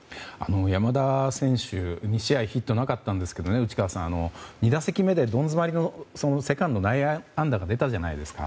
山田選手２試合ヒットなかったんですけど内川さん、２打席目でどん詰まりのセカンド内野安打が出たじゃないですか。